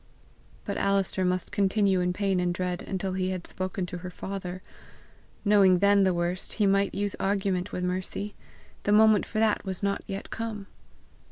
But Alister must continue in pain and dread until he had spoken to her father. Knowing then the worst, he might use argument with Mercy; the moment for that was not yet come!